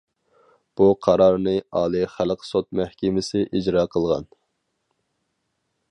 بۇ قارارنى ئالىي خەلق سوت مەھكىمىسى ئىجرا قىلغان.